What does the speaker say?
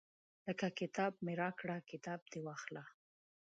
لکه کتاب مې راکړه کتاب دې واخله.